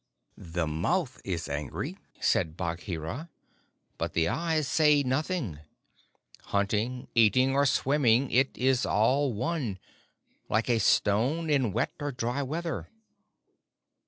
"The mouth is angry," said Bagheera, "but the eyes say nothing. Hunting, eating, or swimming, it is all one like a stone in wet or dry weather."